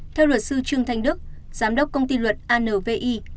theo luật sư trương thanh đức giám đốc công ty luật anvi